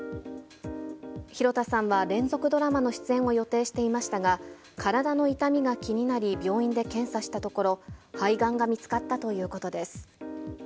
広田さんは連続ドラマの出演を予定していましたが、体の痛みが気になり、病院で検査したところ、肺がんが見つかったということです。